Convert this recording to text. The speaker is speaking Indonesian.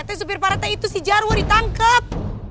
katanya supir parahnya itu si jarwo ditangkep